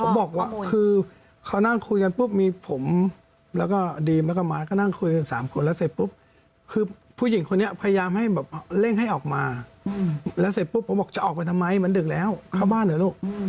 ผมบอกว่าคือเขานั่งคุยกันปุ๊บมีผมแล้วก็ดีมแล้วก็มาก็นั่งคุยกัน๓คนแล้วเสร็จปุ๊บคือผู้หญิงคนนี้พยายามให้แบบเร่งให้ออกมาแล้วเสร็จปุ๊บผมบอกจะออกไปทำไมเหมือนดึกแล้วเข้าบ้านเหรอลูก